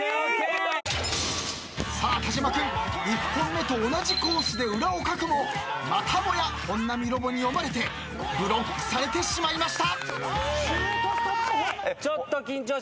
［さあ田島君１本目と同じコースで裏をかくもまたもや本並ロボに読まれてブロックされてしまいました］